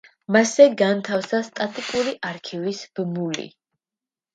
მასზე განთავსდა სტატიკური არქივის ბმული.